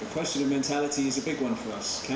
pertanyaan mentalitas itu adalah pertanyaan besar untuk kita